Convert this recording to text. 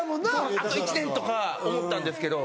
あと１年とか思ったんですけど。